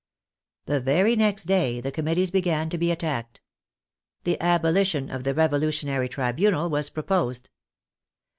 The very next day the Committees began to be attacked. The abolition of the Revolutionary Tribunal was pro posed.